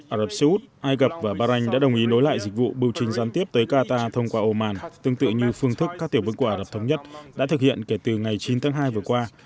ả rập xê út ai cập và bahrain đã đồng ý nối lại dịch vụ biểu chính gián tiếp tới qatar thông qua oman tương tự như phương thức các tiểu vương của ả rập thống nhất đã thực hiện kể từ ngày chín tháng hai vừa qua